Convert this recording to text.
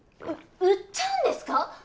う売っちゃうんですか！？